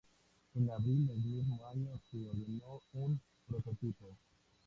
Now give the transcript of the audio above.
En abril del mismo año se ordenó un prototipo.